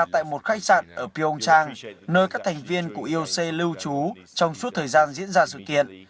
tại một khách sạn ở pyeong trang nơi các thành viên của ioc lưu trú trong suốt thời gian diễn ra sự kiện